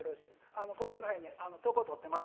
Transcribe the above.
あのこっちの部屋に床とってます